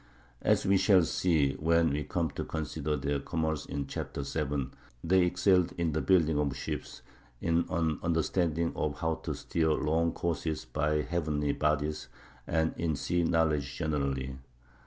As we shall see when we come to consider their commerce in Chapter VII, they excelled in the building of ships, in an understanding of how to steer long courses by the heavenly bodies, and in sea knowledge generally.